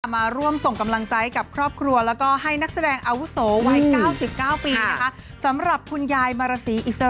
มาร่วมส่งกำลังใจกับครอบครัวแล้วก็ให้นักแสดงอาวุศว์วัย๙๙ปี